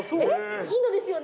インドですよね？